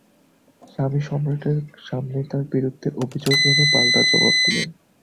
স্বামী সম্রাটের সামনে তার বিরুদ্ধে অভিযোগ এনে পাল্টা জবাব দিলেন।